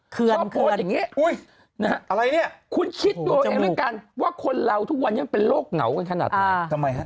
คุณคิดดูเองด้วยกันว่าคนเราทุกวันยังเป็นโรคเหงากันขนาดไหน